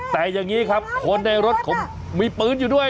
แต่อย่างนี้ครับคนในรถผมมีปืนอยู่ด้วย